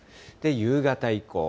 夕方以降。